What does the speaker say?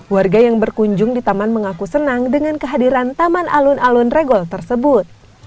warga yang berkunjung di taman mengaku senang dengan kehadiran taman alun alun regol tersebut